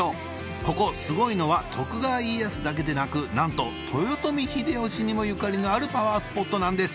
ここすごいのは徳川家康だけでなくなんと豊臣秀吉にもゆかりのあるパワースポットなんです